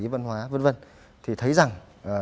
văn hóa vân vân thì thấy rằng